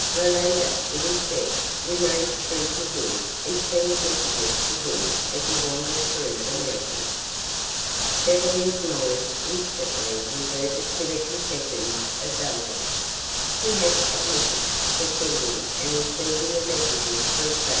Iolanda, it is said, remains true to him and sends messages to him as he wanders through the mountains." Beverly's mind instantly reverted to the confessions of Baldos. He had admitted the sending and receiving of messages through Franz.